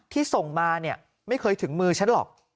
ที่ส่งมาเนี่ยไม่เคยถึงมือฉันหรอก